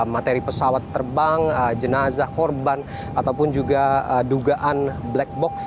materi pesawat terbang jenazah korban ataupun juga dugaan black box